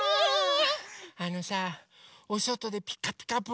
あのさおそとで「ピカピカブ！」